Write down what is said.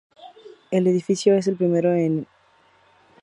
El edificio es el primero en integrar aerogeneradores en su diseño.